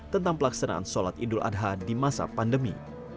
tentang pelaksanaan sholat idul adha di masa pandemi